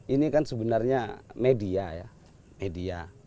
ini kan sebenarnya media